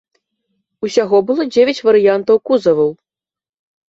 Усяго было дзевяць варыянтаў кузаваў.